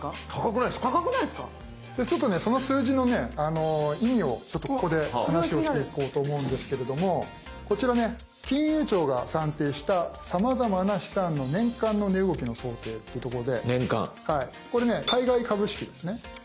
ちょっとねその数字の意味をここで話をしていこうと思うんですけれどもこちらね金融庁が算定した「さまざまな資産の年間の値動きの想定」というとこでこれね海外株式ですね。